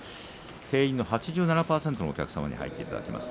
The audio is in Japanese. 定員の８７％のお客様に入っていただいています。